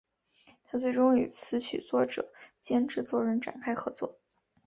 她最终与词曲作者兼制作人展开合作。